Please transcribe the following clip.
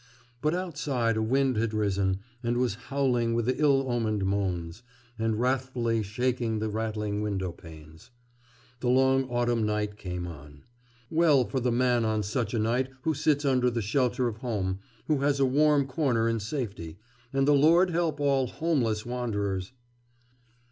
But outside a wind had risen, and was howling with ill omened moans, and wrathfully shaking the rattling window panes. The long autumn night came on. Well for the man on such a night who sits under the shelter of home, who has a warm corner in safety.... And the Lord help all homeless wanderers!